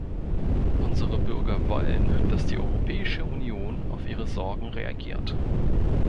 Unsere Bürger wollen, dass die Europäische Union auf ihre Sorgen reagiert.